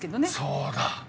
そうだ！